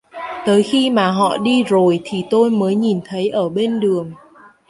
Tới khi mà họ đi rồi thì tôi mới nhìn thấy ở bên đường